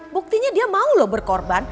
buktinya dia mau loh berkorban